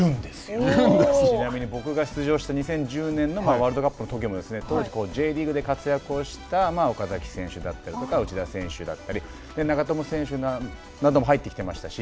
ちなみに僕が出場した２０１０年のワールドカップのときも当時Ｊリーグで活躍した岡崎選手だったりとか内田選手だったり長友選手なども入ってきていましたし